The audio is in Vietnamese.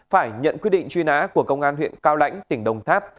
phải nhận quyết định truy nã của công an huyện cao lãnh tỉnh đồng tháp